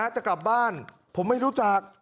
จะกลับบ้านผมไม่รู้จัก